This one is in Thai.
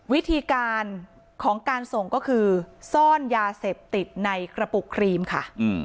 วิธีการของการส่งก็คือซ่อนยาเสพติดในกระปุกครีมค่ะ